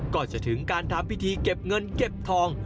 ก็จะถึงการทำพิธีเก็บเงินเก็บทอง